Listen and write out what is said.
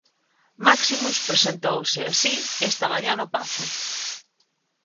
Máximus presentouse así esta mañá no Pazo.